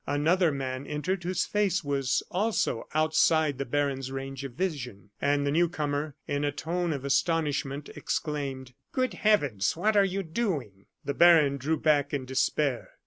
Another man entered, whose face was also outside the baron's range of vision; and the new comer, in a tone of astonishment, exclaimed: "Good heavens! what are you doing?" The baron drew back in despair.